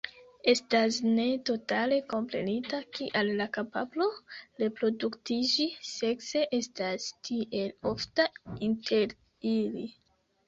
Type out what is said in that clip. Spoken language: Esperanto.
Estas ne totale komprenita kial la kapablo reproduktiĝi sekse estas tiel ofta inter ili.